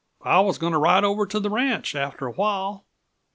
"I was going to ride over to the ranch, after a while.